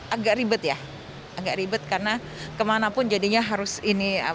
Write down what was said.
agak ribet ya agak ribet karena kemanapun jadinya harus ini